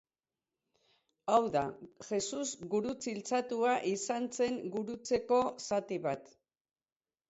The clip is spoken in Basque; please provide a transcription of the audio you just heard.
Hau da, Jesus gurutziltzatua izan zen gurutzeko zati bat.